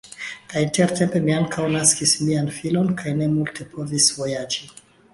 Kaj intertempe mi ankaŭ naskis mian filon kaj ne multe povis vojaĝi.